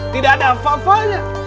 tidak ada apa apanya